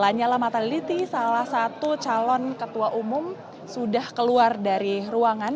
lanyala mataliti salah satu calon ketua umum sudah keluar dari ruangan